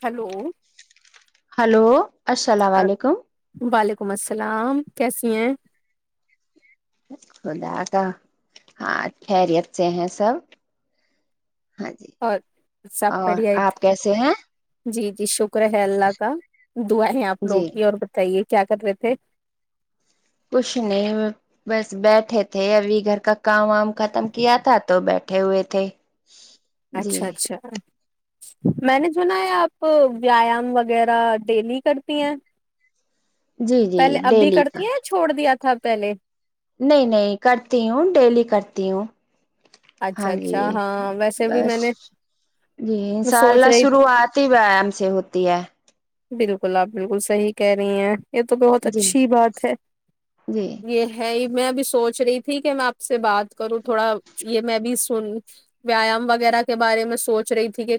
Hello hello السلام علیکم ولیکم السلام کیسی ہیں خدا کا ہاں خیریت سے ہیں سب ہاں جی اور سب اور بڑھیاید آپ کیسے ہیں جی جی شکر ہے اللہ کا دعا ہے آپ جی لوگ کی اور بتائیے کیا کر رہے تھے کچھ نہیں بس بیٹھے تھے ابھی گھر کا کام وام ختم کیا تھا تو بیٹھے ہوئے تھے جی اچھا اچھا میں نے سنا ہے آپ ویایام وغیرہ ڈیلی کرتی ہیں جی جی پہلے ابھی ڈیلی کا کرتی ہیں چھوڑ دیا تھا پہلے نہیں نہیں کرتی ہوں ڈیلی کرتی ہوں اچھا ہاں جی اچھا ہاں ویسے بھی بس میں نے جی ان میں شاء سوچ اللہ رہی شروعات ہی ویام سے ہوتی ہے بالکل آپ بالکل صحیح کہہ رہی ہیں یہ تو بہت جی اچھی بات ہے جی یہ ہے میں اب سوچ رہی تھی کہ میں آپ سے بات کروں تھوڑا یہ میں بھی سن ویایام وغیرہ کے بارے میں سوچ رہی تھی کہ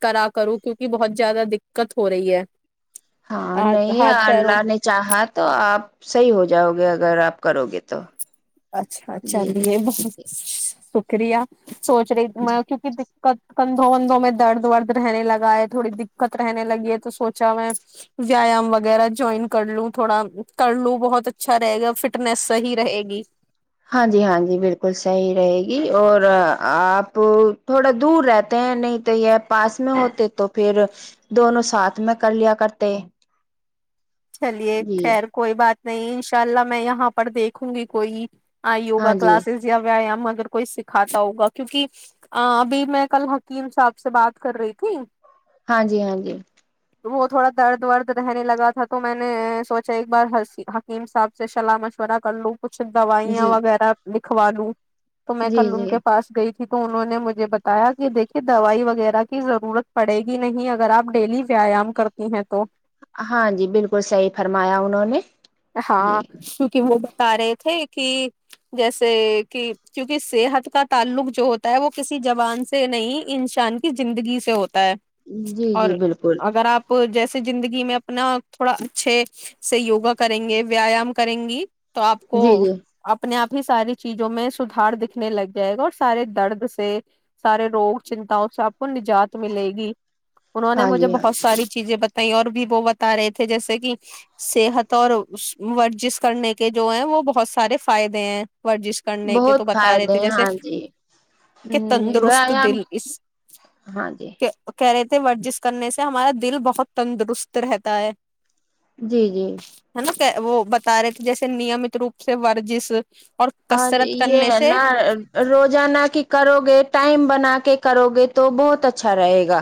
کرا کروں کیوںکہ بہت زیادہ دقت ہو رہی ہے ہاں ہاتھ نہیں ہاتھ پیروں اللہ نے چاہا تو آپ صحیح ہو جاؤ گے اگر آپ کرو گے تو اچھا جی جی چلیے بہت ش کرریہ سوچ رہی م جی کیونکہ کندھوں وندھوں میں درد ورد رہنے لگا ہے تھوڑی دقت رہنے لگی ہے تو سوچا میں ویام وغیرہ جوائن کر لوں تھوڑا کر لوں بہت اچھا رہے گا فٹنیس صحیح رہے گی ہاں جی ہاں جی بالکل صحیح رہے گی اور آپ تھوڑا دور رہتے ہیں نہیں تو یہ پاس میں ہوتے تو پھر دونوں ساتھ میں کر لیا کرتے چلیے جی خیر کوئی بات نہیں انشاء اللہ میں یہاں پر دیکھوں گی کوئی آ ہاں یوا جی کلاسسیا ویاام اگر کوئی سکھاتا ہوگا کیک ابھی میں کل حکیم صاحب سے بات کر رہی تھی ہاں جی ہاں جی تو وہ تھوڑا درد ورد رہنے لگا تھا تو میں نے سوچا ایک بار حکیم صاحب سے سلاح مشورہ کر لوں کچھ دوائیاں جی وغیرہ لکھواو تو میں جی کل ان کے جی پاس گئی ت تو انہوں نے مجھے بتایا کہ دیکھیے دوائی وغیرہ کی ضرورت پڑے گی نہیں اگر آپ ڈیلی ویایام کرتی ہیں تو ہاں جی بالکل صحیح فرمایا انہوں نے جی ہاں س کی وہ بتا رہے تھے کہ جیسے کہ کیونکہ صحت کا تعلق جو ہوتا ہے وہ کسی جوان سے نہیں انسان کی زندگی سے ہوتا جی اور جی بالکل اگر آپ جیسے زندگی میں اپنا تھوڑا اچھے سے یوگا کریں گے ویایام کریں گی تو آپ کو جی جی اپنے آپ ساری چیزوں میں سدار دکھنے لگ جائے گا اور سارے درد سے سارے روگ چنتاؤ سے آپ کو نجات ملے گی انہوں نے ہاں مجھے جی ہاں بہت جی ساری چیزیں بت اور بھی وہ بتا رہے تھے جیسے کہ صحت اور ورزش کرنے کے جو ہیں وہ بہت سارے فائدے ہیں ورزش کرنے کے تو بہت بتا رہے فائدے تھے ہیں جیسے ہاں جی ہ کہ تندرست ویایام دل اس ہاں جی کہہ رہے ورزش کرنے سے ہمارا دل بہت تندرست رہتا ہے جی جی ہے نا وہ بتا رہے تھے جیسے نیمت روپ سے ورزش اور ہاں کسرت یہ کرنے ہے سے نہ روزانہ کہ کرو گے ٹائم بنا کے کرو گے تو بہت اچھا رہے گا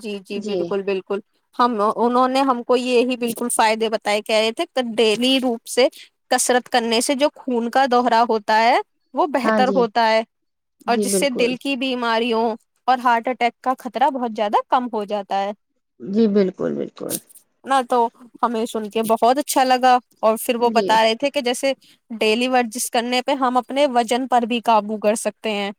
جی جی بالکل بالکل ہم انہوں نے ہم کو یہی بالکل فائدے بتائے کہ رہے تھے ڈیلی روپ سے کسرت کرنے سے جو خون کا دوہرا ہوتا ہے وہ ہاں بہتر جی ہوتا ہے اور جی جس سے بالکل دل کی بھی بیماریوں اور ہارٹ اٹیک کا خطرہ بہت زیادہ کم ہو جاتا ہے جی بالکل بالکل ہاں تو ہمیں یہ سن کے بہت اچھا لگا اور پھر وہ جی بتا رہے تھے کہ جیسے ڈیلی ورزش کرنے پہ ہم اپنے وزن پر بھی قابو کر سکتے ہیں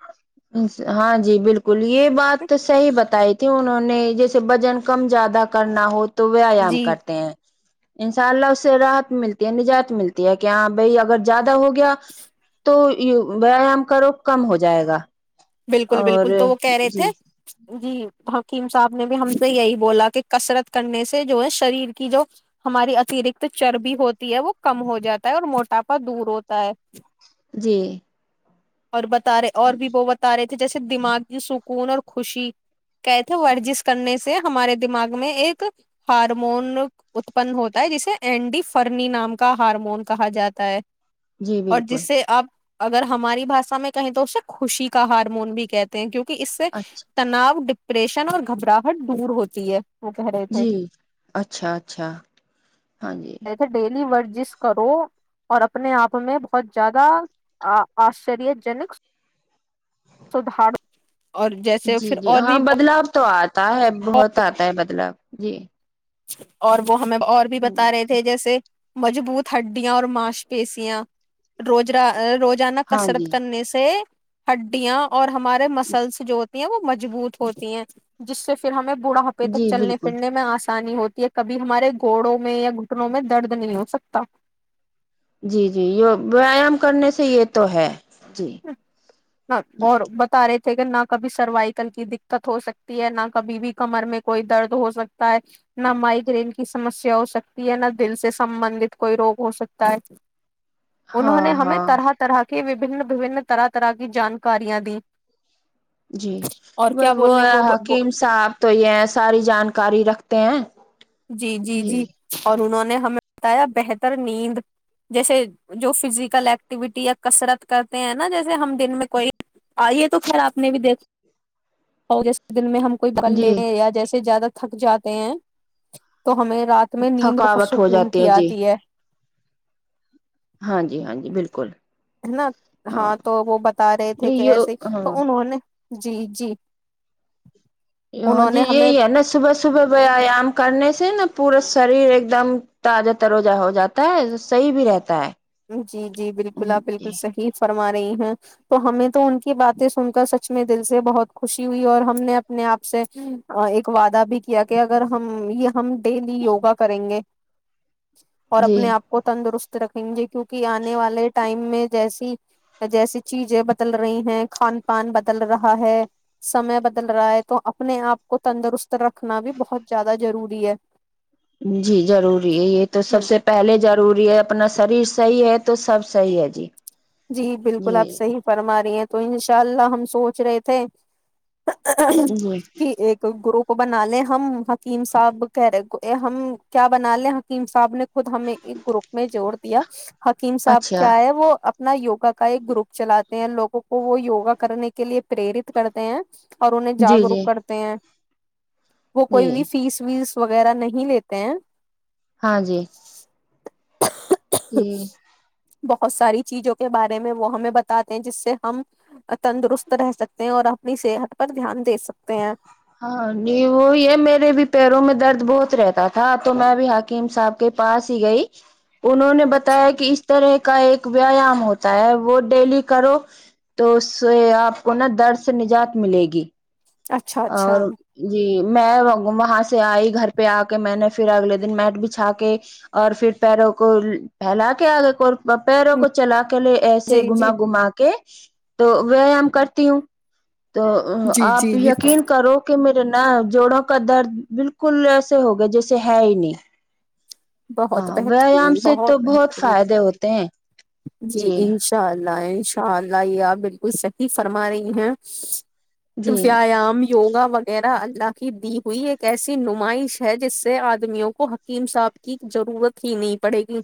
ہاں جی بالکل یہ بات صحی بتائی انہوں نے جیسے وجن کم زیادہ کرنا ہو تو ویایام جی کرتے ہیں انشاء اللہ اس سے راحت ملتی ہے نجات ملتی ہے کہ ہاں بھائی اگر زیادہ ہو گیا تو ویایام کرو کم ہو جائے گا بالکل اور بالکل تو وہ کہہ رہے تھے جی جی کیم صاحب نے بھی ہم سے یہی بولا کہ کثرت کرنے سے جو ہے شریر کی جو ہماری اترکت چربی ہوتی ہے وہ کم ہو جاتا ہے اور موٹاپا دور ہوتا ہے جی اور بتا رہے اور بھی وہ بتا رہے جیسے دماغی سکون اور خوشی کہے تھے ورزش کرنے سے ہمارے دماغ میں ایک ہارمون اتپن ہوتا ہے جسے اینڈی فرنی نام کا ہارمون کہا جاتا ہے جی اور بالکل جس سے آپ اگر ہماری بھاشا میں کہیں تو اسے خوشی کا ہارمون بھی کہتے ہیں کیونکہ کہ اس سے اچھا تناؤ ڈیپریشن اور گھبراہٹ دور ہوتی ہے وہ کہہ رہے تھے جی اچھا اچھا ہاں جی ڈیلی ورزش کرو اور اپنے آپ میں بہت زیادہ آشچری جنک سودھار جی جی ہاں بدلاؤ تو ا تا ہے بہت آتا ہے بدلاو جی اور وہ ہمیں اور بھی بتا رہے تھے جیسے مجبوت ہڈیا اور ماش پیشیاں روجرا رو زانا ہاں کسرت جی کرنے سے ہڈیا اور ہمارے مسلس جو وہ مجبوط ہوتی ہیں جس سے پھر ہمیں بڑھاپے تک جی چلنے بالکل پھرنے میں آنس ہوتی ہے کبھی ہمارے گھوڑوں میں یا گٹنوں میں درد نہیں ہو سکتا جی جی یہ ویایام کرنے سے یہ تو ہے جی اور بتا رہے نہ کبھی سروائکل کی دقت ہو سکتی ہے نہ کبھی بھی کمر میں کوئی درد ہو سکتا ہے نہ مائگرین کی سمسیا ہو سکتی ہے نہ دل سے سبندت کوئی روگ ہو سکتا ہے انہوں نے ہاں ہمیں ہاں طرح طرح بن وبن طرح طرح کی جانکاریاں دی جی اور کیا بس بول وہ رہے ہیں ہے حکیم صاحب تو یہ ساری جانکاری رکھتے ہیں جی جی جی اور انہوں نے نے ہمیں بتایا بہتر نیند جیسے جو فزیکل ایکٹیویٹی یا کسرت کرتے ہیں نا جیسے ہم دن میں کوئی آئیے تو خ آپ نے بھی دیکھ دن میں ہم کوئی بل جی لےنے یا جیسے زیادہ تھک جاتے ہیں تو ہمیں رات میں نیند تھکاوٹ ہو بسکون جاتی کی جی آتی ہے ہاں جی ہاں جی بالکل ہے نا ہاں تو وہ بتا رہے تھے یہ کیسے ہاں تو انہوں نے [unintelligible] جی جی اں انہوں جی نے ہمیں یہی ہے نا صبح صبح ویایام کرنے سے سے نا پورا شریر ایک دم تازہ تروجہ ہو جاتا ہے صحیح بھی رہتا ہے جی جی بالکل آپ جی بالکل صحی فر ما رہی ہیں تو ہمیں تو ان کی باتیں سن کر سچ میں دل سے بہت خوشی ہوئی اور ہم نے اپنے آپ سے ایک وعدہ بھی کیا کہ اگر ہم یہ ہم ڈیلی یوگا کریں گے اور اپنے آپ جی کو تندرست رکھیں گے کیوںکہ آنے والے ٹائم میں جیسی جیسی چیزیں بدل رہی ہیں کھان پان بدل رہا ہے سمے بدل رہا ہے تو اپنے آپ کو تندرست رکھنا بھی بہت زیادہ ضروری ہے جی ضروری ہے یہ تو سب ہ سے پہلے ضروری ہے اپنا شریر صحیح ہے تو سب صحی ہے جی جی بالکل آپ جی صحیح فرما رہی ہیں تو انشاء اللہ ہم سوچ رہے تھے جی کہ ایک گروپ کو بنا لے ہم حکیم صاحب کہہ رہے ہم کیا بنا لیں حکیم صاحب نے خود ہمیں ایک گروپ میں جوڑ دیا حکیم صاحب اچھا کیا ہے وہ نہ یوگا کا ایک گروپ چلاتے ہیں لوگوں کو وہ یوگا کرنے کے لیے پریرت کرتے ہیں اور انہیں جی جاگروک جی کرتے ہیں وہ جی کوئی بھی فیس ویس وغیرہ نہیں لیتے ہیں ہاں جی جی بہت ساری چیزوں کے بارے میں وہ ہمیں بتاتے ہیں جس سے ہم تندرست رہ سکتے ہیں اور اپنی صحت پر دھیان دے سکتے ہیں ہاں نہیں وہی ہے میرے بھی پیروں میں درد بہت رہتا تھا تو میں بھی حکیم صاحب کے پاس ہی گئی انہوں نے بتایا کہ اس طرح کا ایک ویایام ہوتا ہے وہ ڈیلی کرو تو اس سے آپ کو نا درد سے نجات ملے گی اچھا اچھا اور جی میں وہاں سے آئی گھر پہ آ کے میں نے پھر اگلے دن میٹ بچھا کے اور پھر پیروں کو پھیلا کے آگے وپیروں کو چلا کے لے ایسے جی جی گھما گما کے تو ویایام کرتی ہوں تو جی آپ جی ہی جی یقین کرو کہ میر نا جوڑوں کا درد بالکل ایسے ہوگا جیسے ہے ہی نہیں بہت ہاں ویایام بہترین سے تو بہت بہترین فائدے ہوتے ہیں جی انشاء اللہ انشاء اللہ یہ آپ بالکل صحیح فرما رہی ہیں جی ویایام یوگا وغیرہ لااکی دی ہوئی ایک ایسی نمائش ہے جس سے آدمیوں کو حکیم صاف کی ضرورت ہی نہیں پڑے گی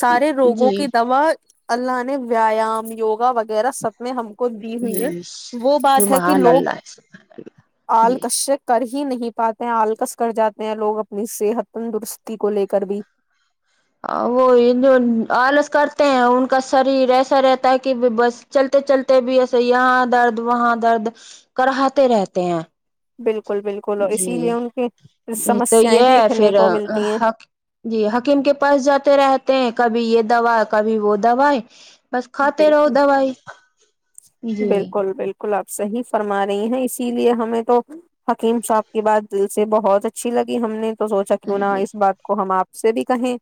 سارے روگوں جی کی دوا اللہ نے ویایام یوگا وغیرہ سب میں ہم کو دی ہوئی ہے جی وہ بات ہے کہ سبحان لوگ اللہ آل جی کش کر ہی ہی نہیں پاتے ہیں آلکس کر جاتے ہیں لوگ اپنی صحت تندرستی کو لے کے کر بھی وہ جو آلس کرتے ہیں ان کا شریر ایسا رہتا ہے کہ بس چلتے چلتے بھی ایسے یہاں درد وہاں درد کراتے رہتے ہیں بالکل بالکل اور جی اسی لیے ان کی ج تو سمسیایں یہ دیکھنے پھر کو ملتی ہیں جی حکیم کے پاس جاتے رہتے ہیں کبھی یہ دوا کبھی وہ دو بس کھاتے رہو بالکل دوائی جی کلب صحی فرما رہی ہیں اسی لیے ہمیں تو حکیم صاحب کی بات دل سے بہت اچھی لگی ہم نے تو سوچا ہاں کیوں نہا جی اس بات کو ہم آپ سے بھی کہیں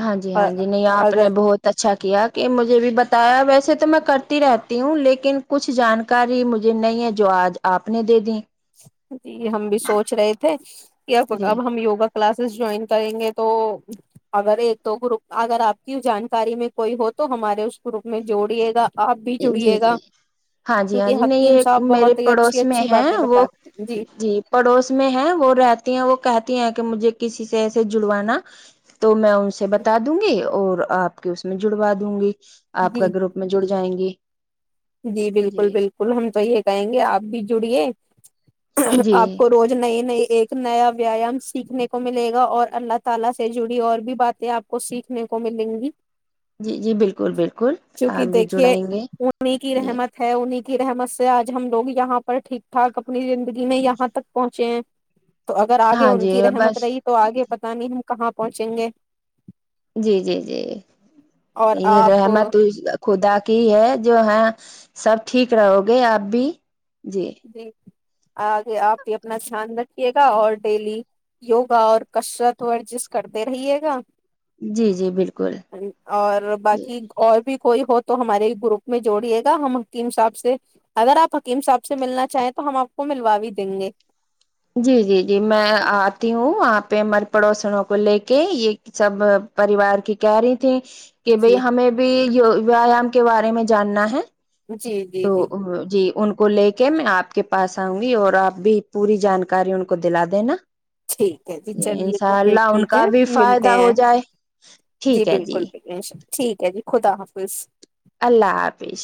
ہاں جی ہاں اور جی نہیں آپ نے اگر بہت اچھا اچھا کیا کہ مجھے بھی بتایا ویسے تو میں کرتی رہتی ہوں لیکن کچھ جانکاری مجھے نہیں ہے جو آج آپ نے دے دییں جی ہم بھی سوچ رہے تھے کہ اب جی اب ہم یوگا کلاسز جوائن کریں گے تو اگر ایک تو گروپ اگر آپ کی جانکاری میں کوئی ہو تو ہمارے اس گروپ میں جوڑیے گا آپ بھی جی جڑیے جی گا ہاں جی ہاں جی کیونکہ نہیں حکیم یہ صاحب میرے بہت ہی اچھی پڑوس میں اچھی ہے باتیں وہ بتاتے ہیں۔ جی پڑوس میں ہے وہ رہتی ہیں وہ کہتے ہیں کہ مجھے کسی سے ایسے جڑوانا تو میں ان سے بتا دوں گی اور آپ کے اس میں جڑوا دوں گی آپ جی کا گروپ میں جڑ جائیں گی جی بالکل بالکل ہم تو یہ کہیں گے آپ بھی جڑیے جی آپ کو روز نئی نئی ایک نیا پیام سیکھنے کو ملے گا اور اللہ تعالا سے جڑی اور بھی باتیں اپ کو سیکھنے کو ملیں گی جی جی بالکل بالکل آ کیونکہ بھی دیکھیے جڑائیں گے کی جی رحمت ہے کی رحمت سے آج ہم لوگ یہاں پر ٹھیک ٹھاک اپنی زندگی میں یہاں تک پہنچے ہیں تو اگر آگے ہاں ان جی کی رحمت بس رہی تو آگے پت نہیں کہاں پہنچیں گے جی جی جی اور یہ آپ رحمت خدا کی ہے جو ہے سب ٹھیک رہو گے آپ بھی جی آگے آپ بھی اپنا دھیان رکھیے گا اور ڈیلی یوگا اور کشرت ورزش کرتے رہیے گا جی جی بالکل اور جی باقی اور بھی کوئی ہو تو ہمارے گروپ میں جوڑیے گا ہم حکیم صاحب سے اگر آپ حکیم صاحب سے ملنا چاہیں تو ہم آپ کو ملوا بھی دیں گے پ مر پڑوسنوں کو لے کے یہ سب پریوار کی کیری تھی کہ بھائی جی ہمیں بھی ویایام کے بارے میں جاننا ہے جی جی جی تو جی ان کو لے کے میں آپ کے پاس آؤں گی اور آپ بھی پوری جانکاری ان کو دلا دینا ٹھیک ہے جی چلیے تو انشاء پھر اللہ ان ٹھیک ہے کا بھی ملتے فائدہ ہو ہیں جائے جی ٹھیک ہے بالکل بالکل ان شاء ال ٹھیک ہے جی خدا حافظ اللہ حافظ